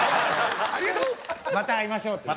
「また会いましょう」って。